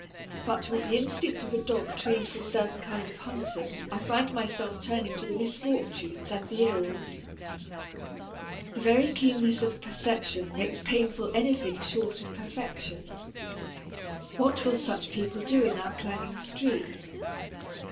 But with the instinct of a dog trained for a certain kind of hunting I find myself turning to the misfortunes and the ills. The very keenness of perception makes painful anything short of perfection. What will such people do in our clanging streets?